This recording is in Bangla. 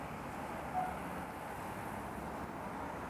তুই কিভাবে বুঝবি আলাদা আলাদা দেশে থাকার নেশা কেমন হয়?